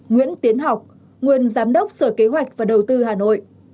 nguyễn tiến học nguyên giám đốc sở kế hoạch và đầu tư hà nội